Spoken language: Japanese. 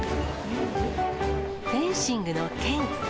フェンシングの剣。